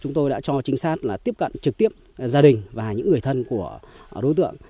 chúng tôi đã cho trinh sát là tiếp cận trực tiếp gia đình và những người thân của đối tượng